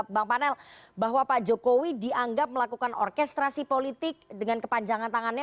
bang panel bahwa pak jokowi dianggap melakukan orkestrasi politik dengan kepanjangan tangannya